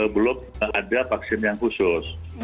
belum ada vaksin yang khusus